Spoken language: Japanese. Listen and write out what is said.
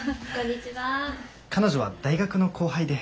彼女は大学の後輩で。